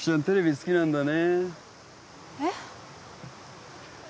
テレビ好きなんだねえっ？